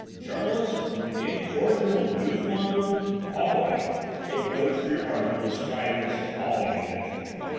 "Journalist! Incorrigible newsmonger! All right, take notes for your article describing this appalling adventure.